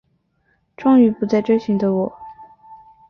终于不再追寻的我